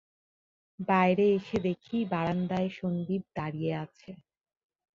বাইরে এসে দেখি বারান্দায় সন্দীপ দাঁড়িয়ে আছে।